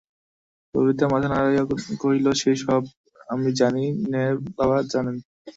ললিতা মাথা নাড়া দিয়া কহিল, সে-সব আমি জানি নে, বাবা জানেন।